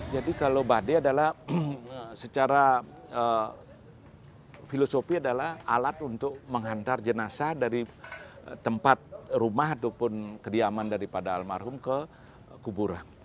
jadi kalau bade adalah secara filosofi adalah alat untuk menghantar jenazah dari tempat rumah ataupun kediaman daripada almarhum ke kuburan